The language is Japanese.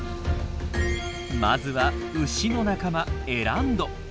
まずは牛の仲間エランド。